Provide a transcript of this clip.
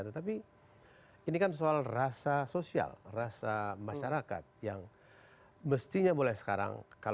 tetapi ini kan soal rasa sosial rasa masyarakat yang mestinya mulai sekarang